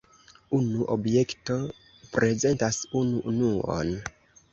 Unu objekto prezentas unu unuon.